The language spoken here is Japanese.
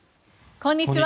こんにちは。